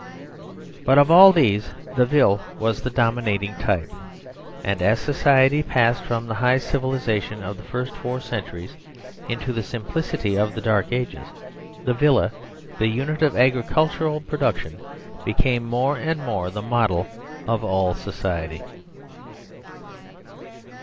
But of all these the Fz7/flwas the dominating type ; and as society passed from the high civilisation of the first four centuries into the simplicity of the Dark Ages, the Villa, the unit of agricultural production, became more and more the model of all society.